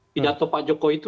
tidak tahu pak jokowi itu